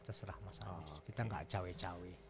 kita serah mas anies kita gak cawe cawe